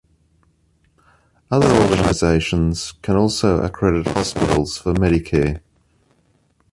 Other organizations can also accredit hospitals for Medicare.